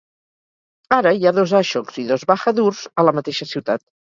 Ara hi ha dos Ashoks i dos Bahadurs a la mateixa ciutat.